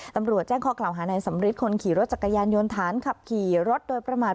ตำรวจแจ้งข้อกล่าวหาในสำริทคนขี่รถจักรยานยนต์ฐานขับขี่รถโดยประมาท